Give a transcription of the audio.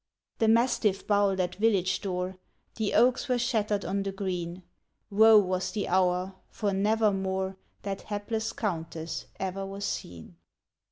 The mastiff bowled at village door, The oaks were shattered on the green; Woe was the hour, for nevermore That hapless Countess e'er was seen.